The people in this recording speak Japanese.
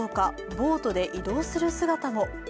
ボートで移動する姿も。